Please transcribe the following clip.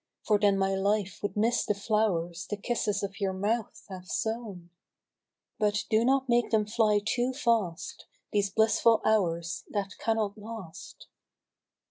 For then my life would miss the flowVs The kisses of your mouth have sown : But do not make them fly too fast These blissful hours that cannot last.